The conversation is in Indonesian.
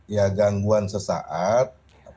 ya gangguan sesaat